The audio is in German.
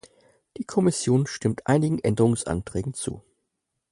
Die Kommission stimmt einigen Änderungsanträgen zu.